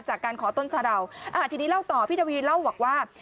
จากการขอต้นสะดาวทีนี้เล่าต่อพี่ทวีเล่าบอกว่า